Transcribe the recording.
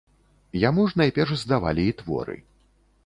Яму ж найперш здавалі і творы.